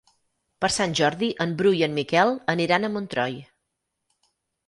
Per Sant Jordi en Bru i en Miquel aniran a Montroi.